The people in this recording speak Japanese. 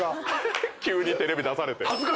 ⁉急にテレビ出されて。